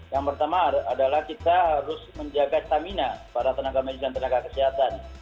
yang pertama adalah kita harus menjaga stamina para tenaga medis dan tenaga kesehatan